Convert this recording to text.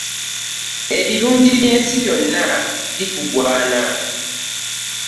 Ebirungi by'ensi byonna bikugwana.